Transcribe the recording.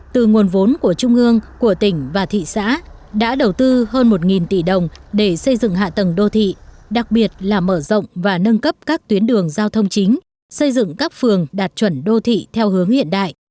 từ nguồn vốn của trung ương của tỉnh và thị xã đã đầu tư hơn một tỷ đồng để xây dựng hạ tầng đô thị đặc biệt là mở rộng và nâng cấp các tuyến đường giao thông chính xây dựng các phường đạt chuẩn đô thị theo hướng hiện đại